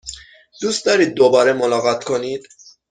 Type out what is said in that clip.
دوست دارید دوباره ملاقات کنید؟